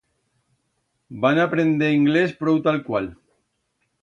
Vam aprender inglés prou talcual.